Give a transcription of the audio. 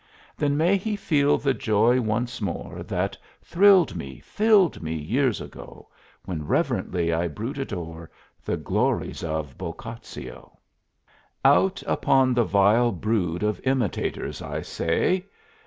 Then may he feel the joy once more That thrilled me, filled me years ago When reverently I brooded o'er The glories of Boccaccio! Out upon the vile brood of imitators, I say!